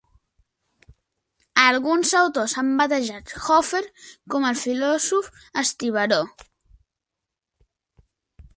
Alguns autors han batejat Hoffer com "el filòsof estibador".